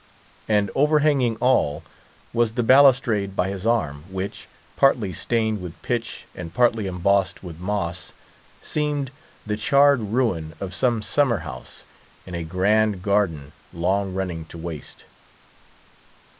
And overhanging all was the balustrade by his arm, which, partly stained with pitch and partly embossed with moss, seemed the charred ruin of some summer house in a grand garden long running to waste.